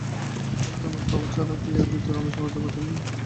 আমাদের রমেশবাবু ছাড়া কি আর দ্বিতীয় রমেশবাবু জগতে নাই?